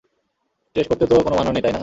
Test করতে তো কোনো মানা নেই, তাই না?